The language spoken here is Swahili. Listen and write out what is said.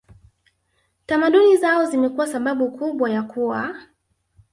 tamaduni zao zimekuwa sababu kubwa ya kuwa